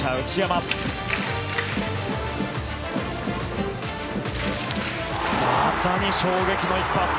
まさに衝撃の一発。